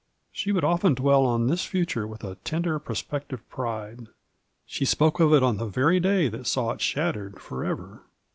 She would often dwell on this future with a tender prospective pride : she spoke of it on the very day that saw it shattered forever.